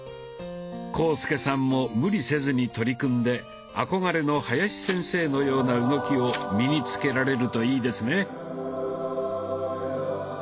浩介さんも無理せずに取り組んで憧れの林先生のような動きを身に付けられるといいですね。